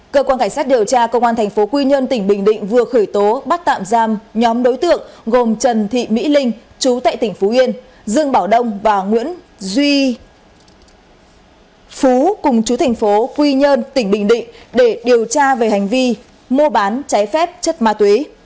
cơ quan cảnh sát điều tra công an thành phố quy nhơn tỉnh bình định vừa khởi tố bắt tạm giam nhóm đối tượng gồm trần thị mỹ linh chú tại tỉnh phú yên dương bảo đông và nguyễn duy phú cùng chú thành phố quy nhơn tỉnh bình định để điều tra về hành vi mua bán trái phép chất ma túy